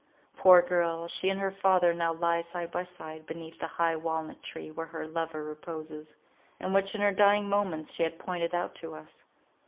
Poor girl!—she and her father now lie side by side, beneath the high walnut tree where her lover reposes, and which in her dying moments she had pointed out to us.